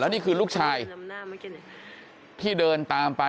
นี่คือลูกชายที่เดินตามไป